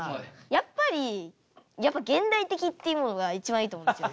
やっぱりやっぱ現代的っていうものが一番いいと思うんですよ。